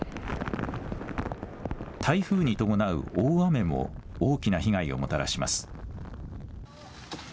台風に伴う大雨も大きな被害をもたらします。